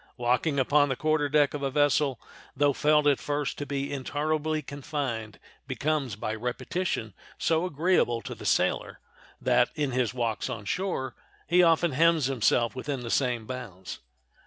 Walking upon the quarter deck of a vessel, though felt at first to be intolerably confined, becomes, by repetition, so agreeable to the sailor that, in his walks on shore, he often hems himself within the same bounds.